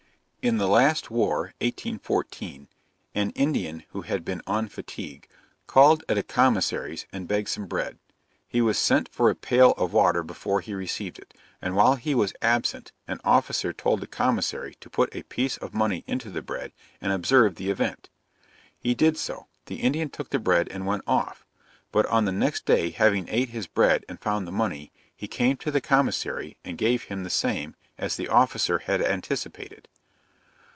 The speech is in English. In the last war, (1814,) an Indian who had been on fatigue, called at a commissary's and begged some bread. He was sent for a pail of water before he received it, and while he was absent an officer told the commissary to put a piece of money into the bread, and observe the event. He did so. The Indian took the bread and went off: but on the next day having ate his bread and found the money, he came to the commissary and gave him the same, as the officer had anticipated.